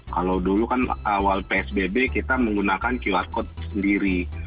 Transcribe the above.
kalau dulu kan awal psbb kita menggunakan qr code sendiri